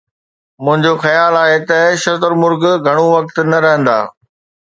منهنجو خيال آهي ته شتر مرغ گهڻو وقت نه رهندا.